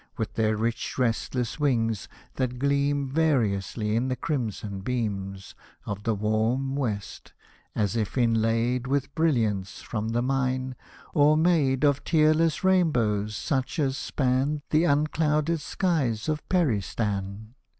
With their rich restless wings, that gleam Variously in the crimson beam Of the warm West, — as if inlaid With brilliants from the mine, or made Hosted by Google PARADISE AND THE PERI 131 Of tearless rainbows, such as span The unclouded skies of Peristan.